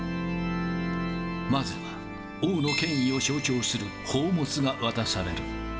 まずは、王の権威を象徴する宝物が渡される。